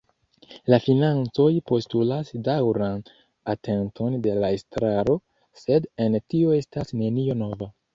La financoj postulas daŭran atenton de la estraro, sed en tio estas nenio nova.